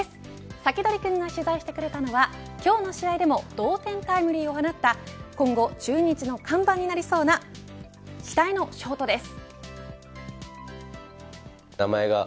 サキドリくんが取材してくれたのは今日の試合でも同点タイムリーを放った今後、中日の看板になりそうな期待のショートです。